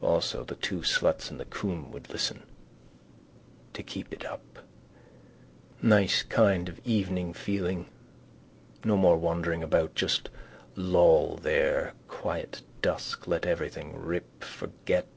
Also the two sluts in the Coombe would listen. To keep it up. Nice kind of evening feeling. No more wandering about. Just loll there: quiet dusk: let everything rip. Forget.